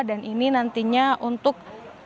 dan ini nantinya untuk